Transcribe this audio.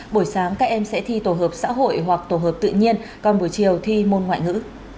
buổi sáng các em sẽ thi tổ hợp xã hội hoặc tổ hợp tự nhiên còn buổi chiều thi môn ngoại ngữ